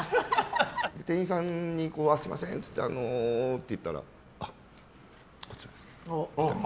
店員さんにすみません、あのーって言ったらあ、こちらですって。